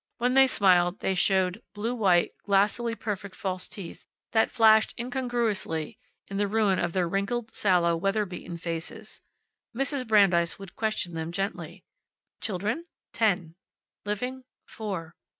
When they smiled they showed blue white, glassily perfect false teeth that flashed incongruously in the ruin of their wrinkled, sallow, weather beaten faces. Mrs. Brandeis would question them gently. Children? Ten. Living? Four.